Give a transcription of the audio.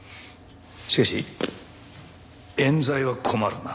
しかし冤罪は困るな。